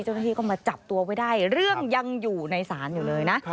เจ้าหน้าที่ก็มาจับตัวไว้ได้เรื่องยังอยู่ในศาลอยู่เลยนะ